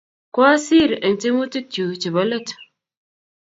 Koasir eng' tyemutikchu chebo let